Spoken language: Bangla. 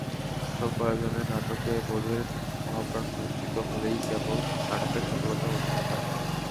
স্বল্প আয়োজনের নাটকে বোধের মহাপ্রাণ প্রতিষ্ঠিত হলেই কেবল নাটকের সফলতা অর্জিত হয়।